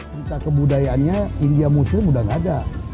kedutaan kebudayaannya india muslim sudah tidak ada